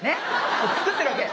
こう作ってるわけね。